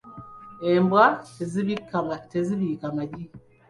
Embwa tezibiika magi.